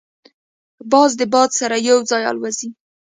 باز د باد سره یو ځای الوزي